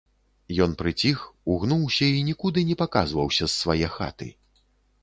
Ён прыціх, угнуўся і нікуды не паказваўся з свае хаты.